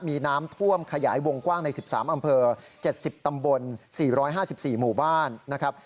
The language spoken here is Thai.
มีน้ำท่วมขยายวงกว้างใน๑๓อำเภอ๗๐ตำบล๔๕๔หมู่บ้านนะครับ